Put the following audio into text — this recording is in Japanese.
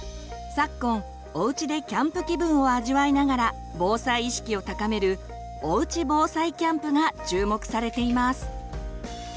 昨今おうちでキャンプ気分を味わいながら防災意識を高める「おうち防災キャンプ」が注目されています。